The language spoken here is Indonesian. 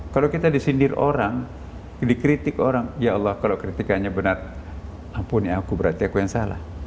kalau kita disindir orang dikritik orang ya allah kalau kritikannya benar ampun ya aku berarti aku yang salah